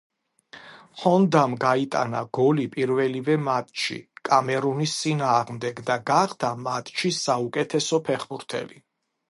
ჰონდამ გაიტანა გოლი პირველივე მატჩში კამერუნის წინააღმდეგ და გახდა მატჩის საუკეთესო ფეხბურთელი.